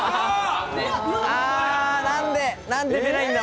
なんで出ないんだ。